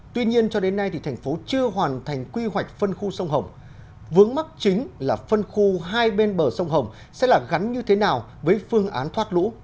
tuy nhiên cho đến nay thành phố chưa hoàn thành quy hoạch phân khu sông hồng vướng mắt chính là phân khu hai bên bờ sông hồng sẽ là gắn như thế nào với phương án thoát lũ